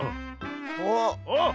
おっ。